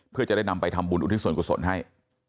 เพื่อจะได้นำไปทำบุญอุทิศส่วนกุศลให้